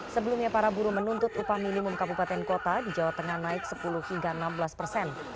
sebelumnya para buruh menuntut upah minimum kabupaten kota di jawa tengah naik sepuluh hingga enam belas persen